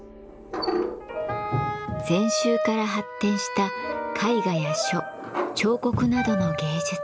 禅宗から発展した絵画や書彫刻などの芸術。